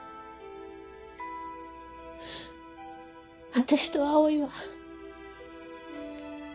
私と葵は。